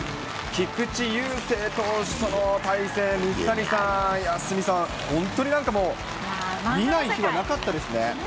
菊池雄星投手との対戦、水谷さんや鷲見さん、本当になんかもう、見ない日はなかったですね。